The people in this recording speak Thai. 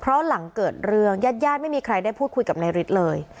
เพราะหลังเกิดเรื่องญาติญาติไม่มีใครได้พูดคุยกับนายฤทธิ์เลย